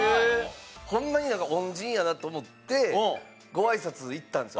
ホンマに恩人やなと思ってご挨拶行ったんですよ